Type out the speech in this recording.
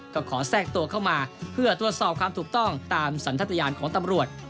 ก็ขอแทรกตัวเข้ามาเพื่อตรวจสอบความถูกต้องตามสันทยานของตำรวจ